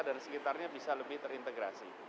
dan sekitarnya bisa lebih terintegrasi